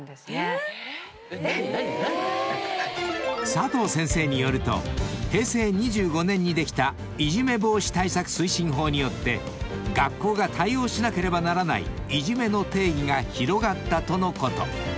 え⁉［佐藤先生によると平成２５年にできたいじめ防止対策推進法によって学校が対応しなければならないいじめの定義が広がったとのこと］